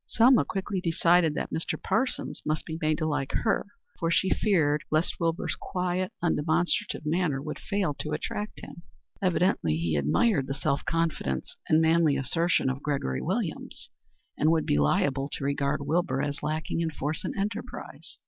Selma quickly decided that Mr. Parsons must be made to like her, for she feared lest Wilbur's quiet, undemonstrative manner would fail to attract him. Evidently he admired the self confidence and manly assertion of Gregory Williams, and would be liable to regard Wilbur as lacking in force and enterprise.